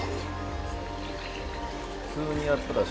「普通にやったら」